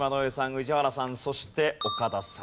宇治原さんそして岡田さん。